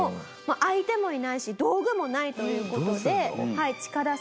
相手もいないし道具もないという事でチカダさん